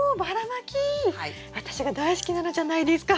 私が大好きなのじゃないですか！